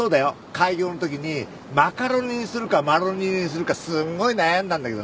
開業の時にマカロニにするかマロニエにするかすっごい悩んだんだけどね。